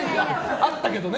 あったけどね。